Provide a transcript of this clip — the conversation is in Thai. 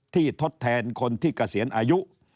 ทดแทนคนที่เกษียณอายุ